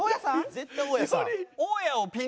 絶対大家さん。